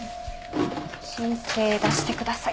申請出してください。